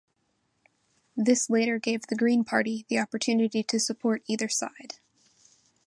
This later gave the Green Party the opportunity to support either side.